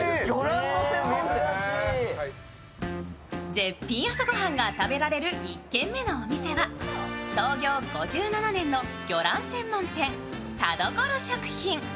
絶品朝ごはんが食べられる１軒目のお店は、創業５７年の魚卵専門店・田所食品。